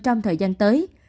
trong thời gian tới